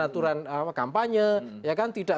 aturan kampanye ya kan tidak